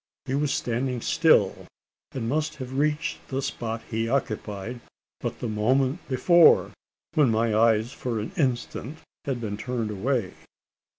He was standing still; and must have reached the spot he occupied but the moment before when my eyes for an instant had been turned away.